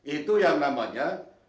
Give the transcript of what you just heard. itu yang namanya